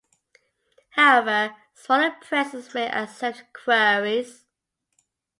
However, smaller presses may accept queries.